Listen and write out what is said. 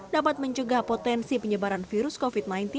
dapat mencegah potensi penyebaran virus covid sembilan belas